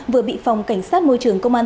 vừa bị phòng cảnh sát môi trường công an